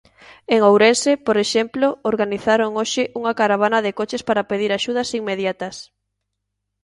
En Ourense, por exemplo, organizaron hoxe unha caravana de coches para pedir axudas inmediatas.